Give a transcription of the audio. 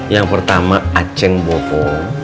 yang pertama aceng bobo